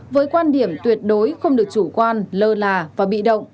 với quan điểm tuyệt đối không được chủ quan lơ là và bị động